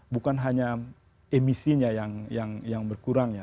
bukan hanya emisinya yang berkurang ya